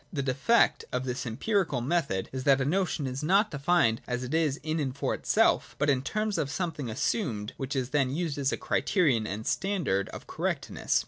The defect of this empirical method is that a notion is not defined as it is in and for itself, but in terms of something assumed, which is then used as a criterion and standard of correctness.